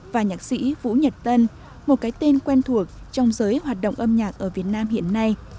và nhạc sĩ vũ nhật tân một cái tên quen thuộc trong giới hoạt động âm nhạc ở việt nam hiện nay